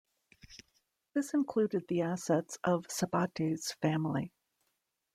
This included the assets of Sabates' family.